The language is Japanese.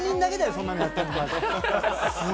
そんなのやってんの。